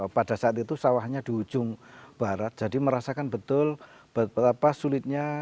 pada saat itu sawahnya di ujung barat jadi merasakan betul betapa sulitnya